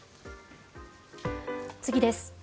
次です。